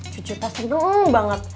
cucu pasti nungu banget